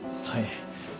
はい。